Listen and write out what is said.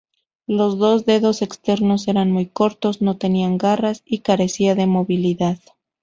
Los dos dedos externos eran muy cortos, no tenían garras y carecían de movilidad.